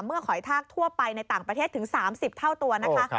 หอยทากทั่วไปในต่างประเทศถึง๓๐เท่าตัวนะคะ